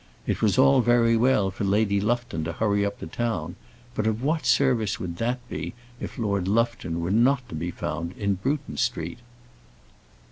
It was all very well for Lady Lufton to hurry up to town, but of what service would that be, if Lord Lufton were not to be found in Bruton Street?